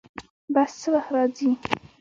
بس څه وخت راځي؟